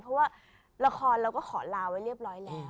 เพราะว่าละครเราก็ขอลาไว้เรียบร้อยแล้ว